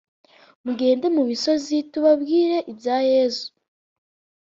tugende mu misozi, tubabwire ibya yesu :